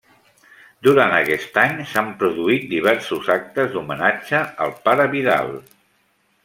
Durant aquest any s'han produït diversos actes d'homenatge al Pare Vidal.